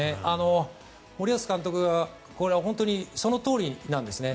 森保監督が本当にそのとおりなんですね。